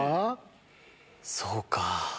そうか。